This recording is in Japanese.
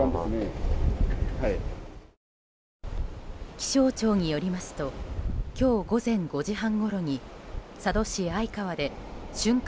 気象庁によりますと今日午前５時半ごろに佐渡市相川で、瞬間